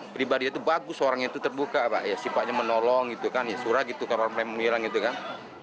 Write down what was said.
pribadi dia tuh bagus orangnya tuh terbuka ya sifatnya menolong gitu kan ya surah gitu kalau memang itu kan